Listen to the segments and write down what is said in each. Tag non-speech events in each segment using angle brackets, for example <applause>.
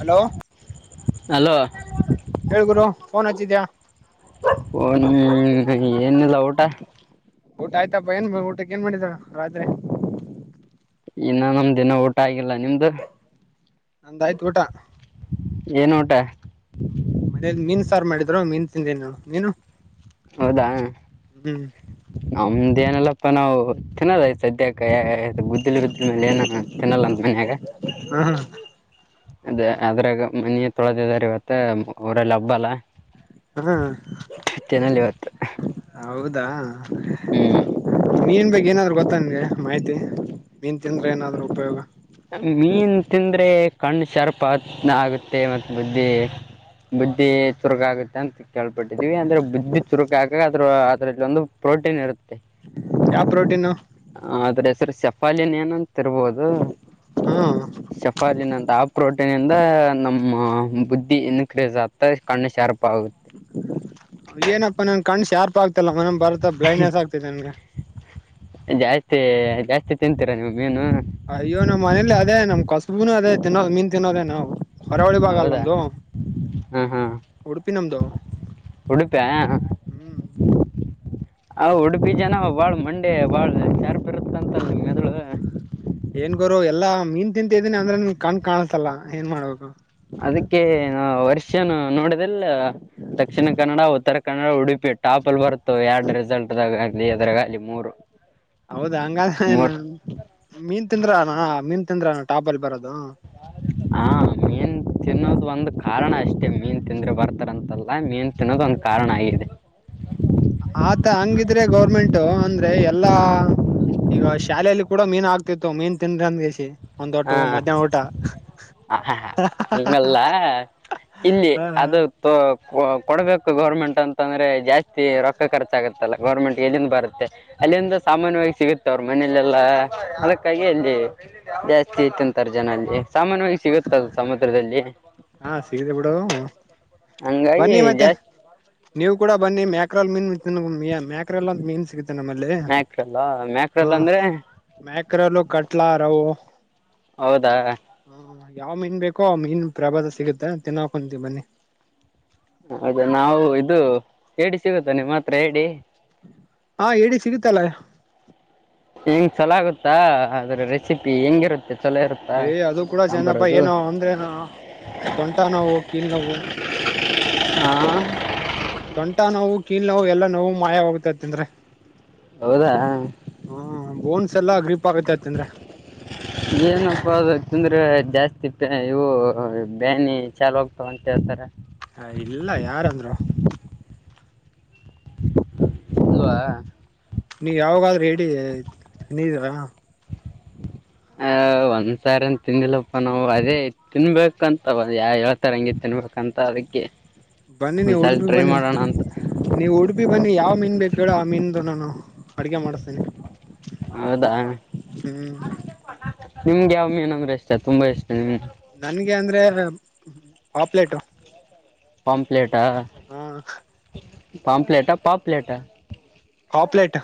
Hello hello ಹೇಳ ಗುರು phone ಿದಾ <unintelligible> own ಏನಿಲ್ಲ ಊಟ ಊಟ ಆಯ್ತಪ್ಪ ಏನ್ ಊಟಕ್ಕೆ ಏನ್ ಮಾಡಿದಾರ ರಾತ್ರಿ ಇನ್ನು ನಮ ದಿನ ಊಟ ಆಗಿಲ್ಲ ನಿಮ್ದು ನಂದ ಆಯ್ತು ಊಟ ಏನು ಊಟ ಮನೇಲಿ ಮೀನ್ ಸಾರು ಮಾಡಿದ್ರು ಮೀನ್ ತಿಂದಿನಿ ನೀನು ಹೌದಾ ಹ್ಮ್ ನಮ್ದ ಏನಲ್ಲಪ್ಪಾ ನಾವು ತಿನ್ನಲಾ ಈ ಸದ್ಯಕ್ಕೆ ಗುದಲು ಬಿದ್ದಲ್ ಮೇಲೆ ಏನ ತಿನ್ನಲ್ಲ ಅಂತ ಮನ್ಯಾಗ ಹ ಅದ ಅದ್ರಾಗ ಮನಿ ತೊಳದಿದಾರ ಇವತ್ತ ಊರಲ್ಲಿ ಹಬ್ಬ ಅಲ್ಲ ಹಾ ತಿನ್ನಲ್ಲ ಇವತ್ತು ಹೌದು ದಾ ಹ್ಮ್ ಮೀನಬಗ್ಗೆ ಏನಾದ್ರು ಗೊತ್ತಾ ನಿನ್ಗೆ ಮಾಹಿತಿ ಮೀನತಿಂದ್ರೆ ಏನಾದ್ರು ಉಪಯೋಗ ಮೀನ್ ತಿಂದ್ರೆ ಕಣ್ಣು ಶರ್ಪ ಆಗುತ್ತೆ ಮತ್ತ್ ಬುದ್ಧಿ ಬುದ್ಧಿ ಚುರ್ಗ ಆಗುತ್ತೆ ಅಂತ ಕೇಳ್ಪಟ್ಟಿದೀವಿ ಅಂದ್ರೆ ಬುದ್ಧಿ ಚುರುಕಾಕ ಅದ್ರ ಒಂದು ಪ್ರೋಟೀನ್ ಇರುತ್ತೆ ಯಾವ ಪ್ರೋಟೀನು ಹ ಆದ್ರೆ ಸರ್ ಶೆಫಾಲಿಯನ್ ಏನಂತರಬಹದು ಹಾ ಶಫಾಲಿನಂತ ಆಪ್ ಪ್ರೋಟಿನ್ ನಮ್ಮ ಬುದ್ಧಿ ಇನ್ಕ್ರೇಸ್ ಆಗ್ತ ಕಣ್ಣು ಶಾರ್ಪ್ ಆಗುತ್ತೆ ಏನಪ್ಪ ನನ್ ಕಣ ಶಾರ್ಪ್ ತುಪ್ಪ ಆಗ್ತಲ್ಲ ಮನ ಬರ್ತಾ ಬ್ಲೈಂಡ್ನೆಸ್ ಆಗ್ತೈತಿ ನನ್ಗೆ ಮತ್ತೆ ಜಾಸ್ತಿ ತಿಂತೀರಾ ನಿಮ್ಗೆ ಅಯ್ಯೋ ನಮ್ಮ್ ಮನೇಲಿ ಅದೇ ನಮ್ ಕಸಬುನು ಅದೇ ತಿನ್ನೋದು ಮೀನ್ ತಿನ್ನೋದೇ ನಾವು ಕರಾವಳಿ ಭಾಗಲ್ಲ ಹೌದಾ ನಮ್ದು ಹಾ ಹಾ ಉಡುಪಿ ನಮ್ದು ಉಡುಪಿಯ ಹ್ಮ ಆಉಡುಪಿ ಜನ ಬಾಳ್ ಮಂಡೆ ಬಾಳ್ ಚರ್ಪ್ ಇರುತ್ತ ಅಂತಲ್ ನಿ ಮೆದಳು ಏನ್ಗೋರು ಎಲ್ಲಾ ಮೀನ್ ತಿಂತಿದೀನಿ ಅಂದ್ರೆ ನಿಮಗ್ ಕಣ ಕಾಣಸಲ್ಲ ಏನ್ ಮಾಡ್ಬೇಕು ಅದಕ್ಕೆ ನಾ ವರ್ಷನು ನೋಡ ದಕ್ಷಿಣ ಕನ್ನಡ ಉತ್ತರ ಕನ್ನಡ ಉಡುಪಿ ಟಾಪ ಅಲ್ಲಿ ಬರುತ್ತೋ ಎಡ್ ರಿಸಲ್ ಹೌದ ಹಂಗಾಡಾಗ್ ತಿಂದ್ರನಾ ಮೀನ್ ತಿಂದ್ರಣ ಟಾಪಲ್ಲಿ ಬರೋದು. ಹಾ ಮೀನ್ ತಿನ್ನೋದ ಒಂದ್ ಕಾರಣ ಅಷ್ಟೇ ಮೀನ್ ತಿಂದ್ರೆ ಬರ್ತಾರಂತಲ್ಲ ಮೀನ್ ತಿನ್ನೋದ ಒಂದ್ ಕಾರಣ ಆಗಿದೆ. ಆತ ಹಂಗಿದ್ರೆ ಗೌರ್ಮೆಂಟ್ ಅಂದ್ರೆ ಎಲ್ಲ ಈಗ ಶಾಲೆಯಲ್ಲಿ ಕೂಡ ಮೀನ್ ಆಗ್ತಿತ್ತು ಮೀನ್ ತಿಂದು ಅಂದಿಗೇಶಿ. ಹಾ ಹಂಗಲ್ಲ ಇಲ್ಲಿ ಹ ಅದು ತ ಕೊಡ್ಬೇಕು ಗೌರ್ಮೆಂಟ್ ಅಂತ ಅಂದ್ರೆ ಜಾಸ್ತಿ ರೊಕ್ಕ ಖರ್ಚಾಗತ್ತಲ್ಲ ಗೌರ್ಮೆಂಟ್ ಎಲ್ಲಿಂದ ಬರುತ್ತೆ ಅಲ್ಲಿಂದ ಸಾಮಾನ್ಯವಾಗಿ ಸಿಗುತ್ತೆ ಅವ್ರ ಮನೇಲೆಲ್ಲ ಅದಕ್ಕಾಗಿ ಅಲ್ಲಿ ಜಾಸ್ತಿ. ತಿ ತಿಂತಾರೆ ಜನ ಅಲ್ಲಿ. ಸಾಮಾನ್ಯವಾಗಿ ಸಿಗುತ್ತದು ಸಮುದ್ರದಲ್ಲಿ. ಹಾ ಸಿಗಿದೆ ಬಿಡು. ಹಂಗಾಗಿ ಬನ್ನಿ ಮತ್ತೆ ಜಾಸ್ತಿ ನೀವು ಕೂಡ, ಬನ್ನಿ ಮ್ಯಾಕ್ರಲ್ ಮೀನ್ ಮೀ ಮ್ಯಾಕ್ರಲ್ ಮೀನ್ ಸಿಗು ಮ್ಯಾಕ್ರಲ್ಲ ಮ್ಯಾಕ್ರಲ್ಲ ಅಂದ್ರೆ, ಕ್ರಲ್ ಕಟ್ಲಾ ರವ್, ಹೌದಾ. ಯಾವ್ ಮೀನ್ ಬೇಕೋ ಆ ಮೀನ್ ಪ್ರಭಾವ ಸಿಗುತ್ತೆ ತಿನ್ನಾಕೊಂತೀ ಬನ್ನಿ. ಹೌದಾ ನಾವು ಇದು ಏಡಿ ಸಿಗುತ್ತ ನಿಮ್ಮ ಹತ್ರ ಏಡಿ. ಹಾ ಏಡಿ ಸಿಗುತ್ತಲ್ಲ. ಹೆಂಗ್ ಚಲೋ ಆಗುತ್ತಾ ಅದ್ರುದ ರೆಸಿಪಿ ಹೆಂಗಿರುತ್ತೆ. ಚಲೋ ಇರುತ್ತಾ ಏ ಅದು ಕೂಡ ಚೆಂದಪ್ಪ ಸಾಂಬಾರದು ಏನ ಅಂದ್ರೆ ಏನು ಸೊಂಟ ನೋವು, ಕೀಲ್ ನೋವು, ಹಾ, ತೊಂಟ ನೋವು, ಕೀಲ್ ನೋವು ಎ, ಲ್ಲಾ ನೋವು ಮಾಯವಾಗುತ್ತೆ ಅದ ತಿಂದ್ರೆ. ಹೌದಾ. ಹ್ಮ ಬೋನ್ಸ್ ಎಲ್ಲಾ ಗ್ರಿಪ್, ಆಗುತ್ತೆ ತಿಂದ್ರೆ ಎನು ಅಪ ಅದು. ತಿಂದ್ರ ಜಾಸ್ತಿ ಇವು ಪ ಬ್ಯಾನಿ ಚಾಲು ಆಗ್ತವ ಅಂತ ಹೇಳ್ತಾರ. ಏ ಇಲ್ಲ ಯಾರಂದ್ರು. <unintelligible> ನೀವು ಯಾವಾಗಾದ್ರೂ ಏಡಿ ತಿಂದಿದ್ದೀರಾ. ಆ ಒಂದ್ಸಾರನ್ ತಿಂದಿಲ್ಲಪ್ಪ ನಾವು ಅದೇ ತಿನ್ಬೇಕಂತ ಒ ಯಾವ ಹೇಳ್ತಾರ ತಿನ್ಬೇಕಂತ ಅದಕ್ಕೆ. ಬನ್ನಿ ನೀವು ಒಂದ್ಸಲ ಉಡುಪಿ ಟ್ರೈ ಬನ್ನಿ ಮಾಡೋಣ ಅಂತ ನೀವು ಉಡುಪಿ ಬನ್ನಿ ಯಾವ್ ಮೀನ್ ಬೇಕು ಹೇಳು ಆ ಮೀನ್ ನಾನು ಅಡುಗೆ ಮಾಡಿಸ್ತೀನಿ ಹೌದಾ ಹ್ಮ್. ನಿಮ್ಗೆ ಯಾವಲ್ ಮೀನು ಅಂದ್ರೆ ಇಷ್ಟ ತುಂಬಾ ಇಷ್ಟ ನಿಮ್ಗೆ. ನನ್ಗೆ ಅಂದ್ರೆ ಪಾಪ್ಲೆೇಟು. ಪಂಪ್ಲೇಟ್, ಟ ಹಾ. ಪಾಂಪ್ಲೇಟಾ ಪಾಪ್ಲೇಟಾ ಪಾಪ್ಲೆಟ್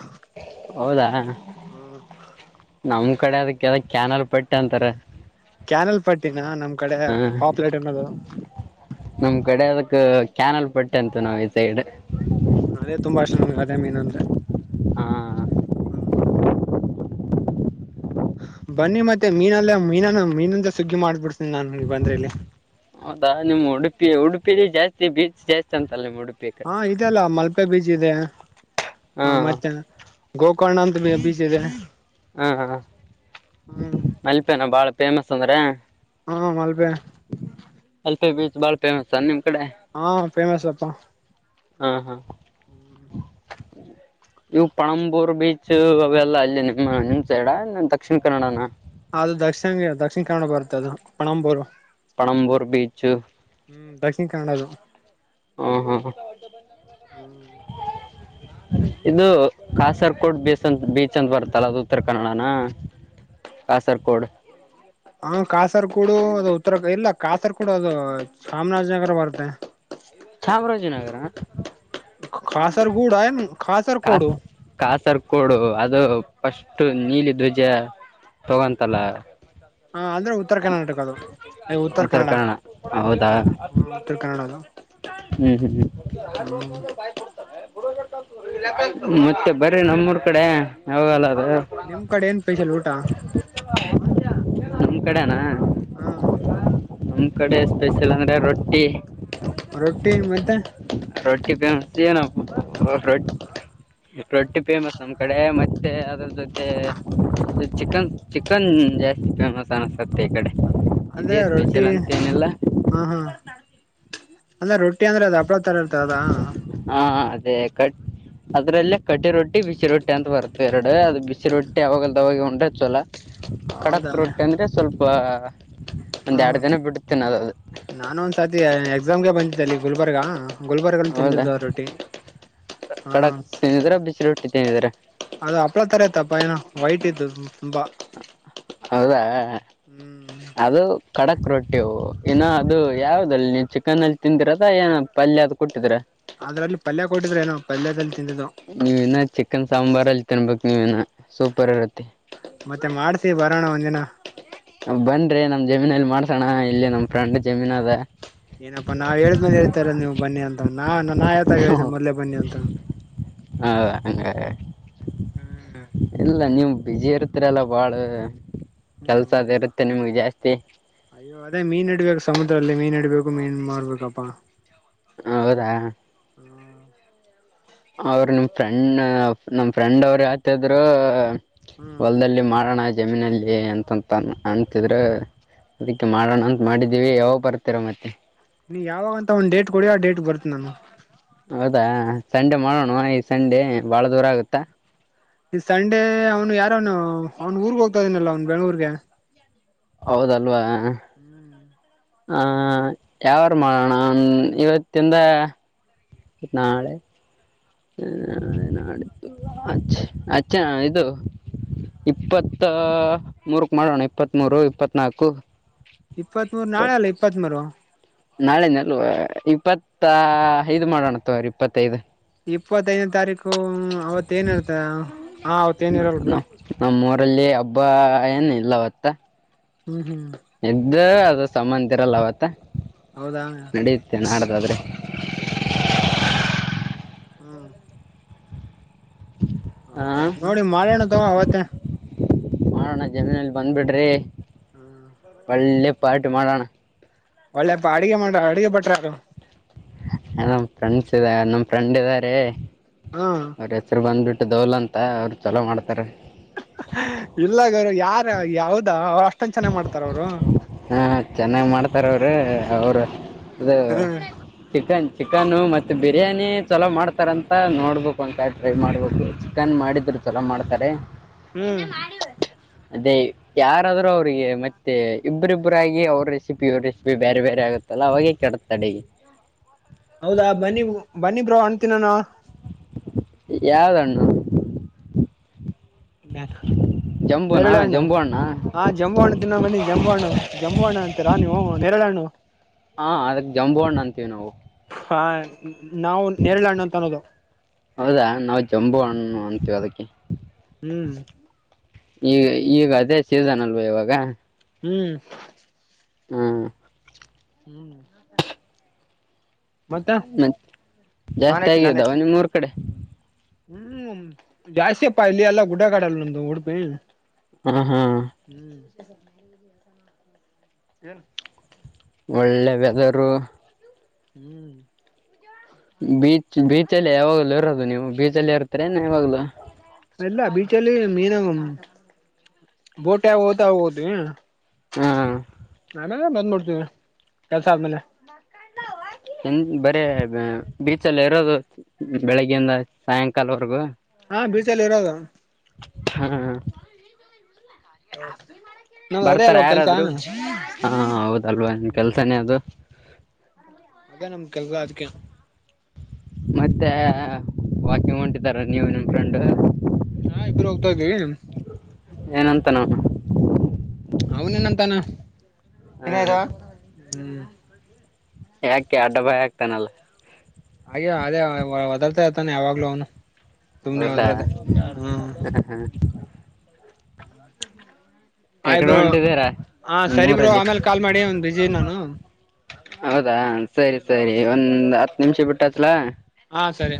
ಹೌದಾ ಹ್ಮ್ ನಮ್ ಕಡೆ ಅದಕ್ಕೆದ ಕ್ಯಾನರ್ ಪಟ್ಟೆ ಅಂತಾರೆ ಕ್ಯಾನಲ್ ಪಟ್ಟಿನ ನಮ್ ಕಡೆ ಪಾಪ್ಲೇಟ್ ಅನ್ನೋದು ನಮ್ ಕಡೆ ಅದಕ್ ಕ್ಯಾನಲ್ ಪಟ್ಟೆ ಅಂತ ನಾವು ಈ ಸೈಡ್ ಹ್ಮ್ ಅದೇ ತುಂಬಾ ಇಷ್ಟ ನನ್ಗೆ ಅದೇ ಮೀನ್ ಅಂದ್ರೆ ಹ ಹ್ಮ್ ಬನ್ನಿ ಮತ್ತೆ ಮೀನಲ್ಲ ಮೀನನ್ನು ಮೀನಂದ ಸುಗ್ಗಿ ಮಾಡ್ಬಿಡ್ತೀನಿ ನಾನು ಬಂದ್ರೆ ಇಲ್ಲಿ ಹೌದಾ ನಿಮ್ಮ್ ಉಡುಪಿ ಉಡುಪಿಲಿ ಜಾಸ್ತಿ ಬೀಚ್ ಜಾಸ್ತಿ ಅಂತ ಹಾ ಇದೆ ಅಲ್ಲ ಮಲ್ಕೆ ಬೀಚ್ ದೆ ಹಾ ಮತ್ತೆ ಗೋಕರ್ಣ ಅಂತ ಬೀಚ್ ಇದೆ ಹಾ ಹಾ ಹ್ಮ ಮಲ್ಪೆನ ಬಾಳ ಫೇಮಸ್ ಅಂದ್ರೆ ಹಾ ಮಲ್ಪೆ ಅಲ್ಫೆ ಬೀಚ್ ಬಾಳ ಫೇಮಸ್ಸ ನಿಮ್ ಕಡೆ ಹಾ ಫೇಮಸ್ ಅಪ್ಪಾ ಹಾ ಹಾ ಇವು ಪಳಂಬೂರ್ ಬೀಚ್ ಅವೆಲ್ಲ ಅಲ್ಲಿ ನಿಮ್ಮ ನಿಮ್ ಸೈಡ ದಕ್ಷಿಣ ಕನ್ನಡನ ಅದು ದಕ್ಷಿಣ ದಕ್ಷಿಣ ಕನ್ನಡ ಬರುತ್ತೆ ಅದು ಪಣಂಬೂರು ಪಣಂಬೂರ್ ಬೀಚ್ ಹ್ಮ್ ದಕ್ಷಿಣ ಕನ್ನಡದು ಹಾ ಹಾ ಇದು ಕಾಸರ್ಕೋಡ್ ಬೀಸ್ ಅಂತ ಬೀಚ್ ಅಂತ ಬರುತ್ತಲ್ಲ ಅದು ಉತ್ತರ ಕನ್ನಡನ ಕಾಸರ್ ಕೋಡ್ ಹ ಕಾಸರ್ ಕೂಡು ಅದು ಉತ್ತರ ಇಲ್ಲ ಕಾಸರ್ ಕೂಡು ಅದು ಚಾಮರಾಜನಗರ ಬರುತ್ತೆ ಚಾಮರಾಜನಗರ ಕಾಸರ್ಗುಡ ಆನು ಕಾಸರ್ಗೋಡು ಸರ್ ಕೊಡು ಅದು ಫಸ್ಟ್ ನೀಲಿ ಧ್ವಜ ತಗೊಂತಲ್ಲ ಹ ಅಂದ್ರೆ ಉತ್ತರ ಕರ್ನಾಟಕ ಅದು ಉತ್ತರ ಕನ್ನಡ ಹೌದಾ ಹ ಹ ಉತ್ತರ ಕನ್ನಡ ಅದು ಹ್ಮ್ ಹ್ಮ್ ಹ್ಮ್ ಮತ್ತೆ ಬರೀ ನಮ್ಮೂರ್ ಕಡೆ ಯಾವಾಗಲ್ಲ ಅದು ನಿಮ್ ಕಡೆ ಏನ್ ಸ್ಪೆಷಲ್ ಊಟ ನಮ್ ಕಡೆನಾ ಹಾ ನಮ್ ಕಡೆ ಸ್ಪೆಷಲ್ ಅಂದ್ರೆ ರೊಟ್ಟಿ ರೊಟ್ಟಿ ಮತ್ತೆ ರೊಟ್ಟಿ ಫೇಮಸ್ ಏನ ರ ರೊಟ್ಟಿ ಫೇಮಸ್ ನಮ್ಮ ಕಡೆ ಮತ್ತೆ ಅದ್ರ ಜೊತೆ ಚಿಕನ್ ಚಿಕನ್ ಜಾಸ್ತಿ ಫೇಮಸ್ ಸತ್ತ ಈ ಕಡೆ ಅಂದ್ರೆ ಇದೇ ರೊಟ್ಟಿ ಸ್ಪೆಷಲ್ ಅಂತೇನಿಲ್ಲ ಹಾ ಹಾ ಅಲ್ಲ ರೊಟ್ಟಿ ಟ್ಟೆ ಅಂದ್ರೆ ಅದ ಹಪ್ಳ ತರ ಇರ್ತ ಅದಾ ಹಾ ಅದೇ ಕಟ್ ಅದ್ರಲ್ಲೇ ಕಟ್ಟಿ ರೊಟ್ಟಿ ಬಿಸಿ ರೊಟ್ಟಿ ಅಂತ ಬರ್ತ ಎರಡು ಅದು ಬಿಸಿ ರೊಟ್ಟಿ ಅವಾವಾಗಲದಾಗ ಉಂಡ್ರೆ ಚೊಲ ಹೌದಾ ಕಡಕ್ ರೊಟ್ಟಿ ಅಂದ್ರೆ ಸ್ವಲ್ಪ ಹಾ ಹ್ಮ ಹ ನಾನು ಒಂದ್ಸತಿ ಎಕ್ಸಾಮ್ಗೆ ಬಂದ ಲ್ಲಿ ಗುಲ್ಬರ್ಗ ಗುಲ್ಬರ್ಗಳು ಹೌದಾ ತಿಂದಿದ್ದ ರೊಟ್ಟಿ ಹ ಖಡಕ್ ತಿಂದಿದ್ರ ಬಿಸಿ ರೊಟ್ಟಿ ತಿಂದಿದ್ರ ಅದು ಹಪ್ಳ ತರತಪ್ಪ ಏನು ವೈಟ್ ಇದ್ದ ತುಂಬಾ ಹೌದಾ ಹ್ಮ್ ಅದು ಕಡಕ್ ರೊಟ್ಟಿ ಇನ್ನ ಅದು ಯಾವ್ದಲ್ಲಿ ನೀ ಚಿಕನ್ ಅಲ್ಲಿ ತಿಂದಿರದ ಏನ ಪಲ್ಯ ಅದ ಕೊಟ್ಟಿದ್ರ ಅದ್ರಲ್ಲಿ ಪಲ್ಯ ಕೊಟ್ಟಿದ್ರೆ ನಾವು ಪಲ್ಯದಲ್ಲಿ ತಿಂದಿದ್ದು ನೀವ ಇನ್ನ ಚಿಕನ್ ಸಾಂಬಾರ್ ಅಲ್ಲಿ ತನ್ಬೇಕು ನೀವೇನ ಸೂಪರ್ ಇರತ್ತೆ ಮತ್ತೆ ಮಾಡ್ಸ ಬರೋಣ ಒಂದ್ಜಿನ ಬನ್ರೈ ನಮ್ ಜಮೀನಲ್ಲಿ ಮಾಡ್ಸೋಣ ಇಲ್ಲಿ ನಮ್ ಫ್ರಂಡ್ ಜಮೀನ್ ಅದ ಏನಪ್ಪಾ ನಾವ್ ಹೇಳಿದ್್ಮೇಲೆ ಹೇತಾರ ನೀವು ಬನ್ನಿ ಅಂತ ನಾ ನಾ ಯಾವತ ಹೇಳಿದ್ದೇನೆ ಮೊದಲೇ ಬನ್ನಿ ಅಂತ ಹೌ ಹ ಹ್ಮ್ ಇಲ್ಲ ನೀವು ಬಿಝಿ ಇರ್ತರಲ್ಲ ಬಾಳ ಕೆಲ್ಸದ ಹೌದಾ ಇರುತ್ತೆ ನಿಮ್ಗೆ ಜಾಸ್ತಿ ಅಯ್ಯೋ ಅದೇ ಮೀನ್ ಇಡ್ಬೇಕು ಸಮುದ್ರದಲ್ಲಿ ಮೀನ್ ಇಡ್ಬೇಕು ಮೀನ್ ಮಾಡ್ಬೇಕಪ್ಪಾ ಹೌದಾ ಅವ್ರ ನಿಮ್ ಫ್ರೆಂಡ್ ನಮ್ ಫ್ರೆಂಡ್ ಅವರು ಯಾತ ಇದ್ರು ಹ್ಮ್ ಹೊಲ್ದಲ್ಲಿ ಮಾಡೋಣ ಆಯ್ತ ಜಮೀನಲ್ಲಿ ಅಂತಂತ ಅಂತಿದ್ರ ಅದಕ್ಕೆ ಮಾಡೋಣ ಅಂತ ಮಾಡಿದೀವಿ ಯಾವಾಗ ಬರ್ತರ ಮತ್ತೆ ನೀ ಯಾವಾಗಂತ ಒಂದ್ ಡೇಟ್ ಕೊಡವೋ ಆ ಡೇಟ್ ಬರುತ್ತ ನಾನು ಹೌದಾ ಸಂಡೆ ಮಾಡೋಣ ಮ ಸಂಡೆ ಭಾಳ ದೂರ ಆಗುತ್ತಾ ಈ ಸಂಡೇ ಅವನು ಯಾರ ಅವನು ಅವನು ಊರ್ಗ್ ಹೋಗ್ತ ಇದನಲ್ಲ ಅವ್ನ್ ಬೆಂಗಗಳೂರ್ಗೆ ಹೌದಲ್ವಾ ಹ್ಮ್ ಹ ಯಾವಾರು ಮಾಡೋಣ ಇವತ್ತಿಂದ ಇತ್ತು ನಾಳೆ ಹು ಅಚ್ಚ ಅಚ್ಚೆ ಇದು ಇಪ್ಪತ್ತ ಮೂರಕ್ ಮಾಡೋಣ ಇಪ್ಪತ್ಮ ಮೂರು ಇಪ್ಪತ್ನಾಲ್ಕು ಇಪ್ಪತ್ತ್ ಮೂೂರು ನಾಳೆ ಅಲ್ಲ ಇಪ್ಪತ್ತ್ ಮೂೂರು ನಾಳೆ ನಲ್ವ ಇಪ್ಪತ್ತ ಐದು ಮಾಡೋಣ ತ ಅವ್ರ ಇಪ್ಪತ್ತೈದು. ಇಪ್ಪತ್ತೈದನೇ ತಾರೀಕು ಅವತ್ತ ಏನ ಇರ್ತ ಹಾ ಅವತ್ತ ಏನ್ ಇರಲ್ ಹ ಬಿಡು ನಮ್ಮ ಊರಲ್ಲಿಬ್ಬ ಬಾ ಏನ ಇಲ್ಲ ಅವತ್ತ. ಹ್ಮ್ ಹ್ಮ್ ಇದ ಅದು ಸಮಂತಿರಲ್ಲ ಅವತ್ತ. ಹೌದಾ ನಡೆಯುತ್ತೆ ನಾಡದಾದ್ರೆ. ಹ್ಮ್ ಹ ಹೌದಾ ನೋಡಿ ಮಾವಿನಣ್ಣ ತಗ ಅವತ್ತೆ. ಮಾಡೋಣ ಜಮೀನಲ್ಲಿ ಬಂದ್ಬಿಡ್ರಿ. ಪಳ್ಳೆ ಪಾಠ ಕಟ್ ಮಾಡಣ. ಒಳ್ಳೆಪ್ಪ ಅಡಗೆ ಮಾಡ್ರ ಅಡುಗೆ ಬಟ್ರ ನ್ ಫ್ರೆಂಡ್ಸ್ ಇದ ನಮ ಫ್ರೆಂಡ್ ಇದಾರೆ. ಹಾ ಹೆಸರ್ ಬಂದ್ಬಿಟ್ ದವಲ ಅಂತ ಅವ್ರು ಚಲೋ ಮಾಡ್ತಾರೆ. ಇಲ್ಲಗ ಅವರು ಯಾರ ಯಾವ್ದ ಅವ ಅಷ್ಟೊಂದ ಚೆನ್ನ ಮಾಡ್ತಾರ ಅವರು. ಹಾ ಚೆನ್ನಾಗ್ ಮಾಡ್ತಾರ ಅವ್ರೀ ಅವರು. ಇದು ಹ್ಮ್ ಚಿಕನ್ ಚಿಕನ್ನು ಮತ್ತು ಬಿರಿಯಾನಿ ಚಲೋ ಮಾಡ್ತಾರ ಅಂತ ನೋಡ್ಬೇಕು ಅಂತ ಟ್ರೈ ಮಾಡ್ಬೇಕು ಚಿಕನ್ ಮಾಡಿದ್ರು ಚಲೋ ಮಾಡ್ತಾರೆ‌. ಹ್ಮ್ ಅದೇ ಯಾರಾದ್ರೂ ಅವ್ರಿಗೆ ಮತ್ತೆ ಇಬ್ಬರಿಬ್ಬರಾಗಿ ಅವ್ರ ರೆಸಿಪಿ ಅವ್ರ ರೆಸಿಪಿ ಬೇರೆ ಬೇರೆ ಆಗುತ್ತಲ್ಲ ಅವಾಗೆ ಕೆಡ ಹೌದಾ ಬನ್ನಿ ಬನ್ನಿ ಬ್ರೋ, ಅ ನಾನ ಯಾವ್ದಣ್ಣು? ನೇರಳ ಜಂಬು ಹಣ್ಣ ಹಾ ಜಮ್ಮು ಹಣ್ಣು ತಿನ್ನುವ ಬನ್ನಿ ಜಮುವಣ ಅಂತೀರ ಹ ನೆರಳ ಹಾ ಅದಕ್ ಜಂಬು ಹಣ್ಣು ಅಂತೀವಿ ನಾವು ಹಾ ನಾವು ನೇರಳೆ ಹಣ್ಣು ಅಂತ ಅನ್ನೋದು ಹೌದಾ ನಾವು ಜಂಬು ಹಣ್ಣು ಅಂತ. ಜದಕ್ಕೆ ಹ್ಮ್ ಈ ಈಗ ಅದೇ ಸೀಸನ್ ಅಲ್ವಾ ಇವಾಗ ಹ್ಮ್ ಹ್ಮ್ ಹ್ಮ್ ಮತ್ತೆ ಮತ್ತ ನಾನ್ ಜಾಸ್ತಿ ಹೆಚ್ಚು ನಾನ್ ಆಗದ ಹೆಚ್ಚು ಒಂದು ಮೂರು ಕಡೆ. ಹ್ಮ್ ಜಾಸ್ತಿಯಪ್ಪಾ ಇಲ್ಲಿ ಎಲ್ಲಾ ಗುಡಗಾಡಲ್ ನಮ್ದು ಉಡುಪಿ. ಹ ಹಾ ಬ ಏನ್ ಒಳ್ಳೆ ವೆದರು ಹ್ಮ್ ಬ ಬೀಚಲ್ಲಿ ಯಾವಾಗಲ ಇರೋದು ನೀವು ಬೀಜ ಅಲ್ಲಿ ಇರ್ತಾರ ಇವಾಗಲಲು ಇಲ್ಲ ಬೀಚಲ್ಲಿ ಮನ ಬೋಟ್ ಯಾವ ಹೋ ರೋದು ಹಾ ಆಮೇಲೆ ಬಂದ್ಬಡ್ತೀವಿ ಕೆಲ್ಸ ಆದ್ಮೇಲೆ ಚಂದ ಬರೀ ಬೀಚಲ್ಲ ಇರೋದು ಬೆಳಿಗ್ಗೆಿಂದ ಸಾಯಂಕಾಲವರೆಗೂ ಹಾ ಬೀಚಲ್ಲಿ ಇರೋದು ಹಾ ಹ ಬರ್ತಾರ ಯಾರಾದ್ರೂ ಹಾ ಹೌದಲ್ವಾ ನಿನ್ ಕೆಲ್ಸನೇ ಅದು ಅೇ ನಮ್ ಕೆಲ್ಗ ಅದಕ್ಕೆ ಮತ್ತೆ ವಾಕಿಂಗ್ ಹೊಂಟಿದಾರ ನೀವು ನಿಮ್ಮ್ ಫ್ರೆಂಡ್ ಹಾ ಇಬ್ಬರು ಹೋಗ್ತಾ ಇದ್ವಿ ಏನಂತ ನೋ ಅವನೇನಂತಾನ ಹಾ ಇನ್ನ ದೋ ಹ್ಮ ಯಾಕೆ ಅಡ್ಡಬಾಯ ಆಾಕ್ತಾನಲ್ಲ ಆವಾಗ್ ಹೌದಾ ಎಕಡೆ ಆಯ್ಬ್ರೋ ಹೊಂಟಿದ್ದೀರಾ ಹ ಸರಿ ಬ್ರೋ ನಿಮ್ಮೂರಲ್ಲಿ ಆಮೇಲೆ ಕಾಲ್ ಮಾಡಿ ಒಂದ್ ಬಿಸಿಿ ನಾನು ಹೌದು ಸರಿ ಸರಿ ಒಂದ ಹತ್ತು ನಿಮಿಷ ಬಿಟ್ಟತ್ಲ ಹಾ ಸರಿ